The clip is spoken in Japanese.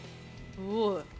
すごい！